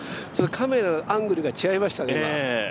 カメラアングルが違いましたね。